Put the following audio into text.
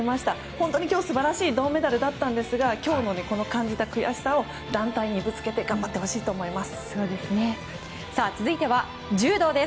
本当に今日素晴らしい銅メダルだったんですが今日感じた悔しさを団体にぶつけて頑張ってほしいと思います。